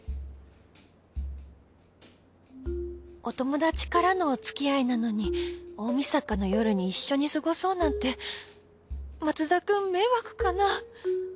お友達からのおつきあいなのに大晦日の夜に一緒に過ごそうなんて松田くん迷惑かな？